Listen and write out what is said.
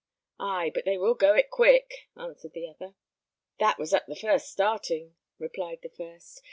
"Ay, but they will go it quick," answered the other. "That was at the first starting," replied the first.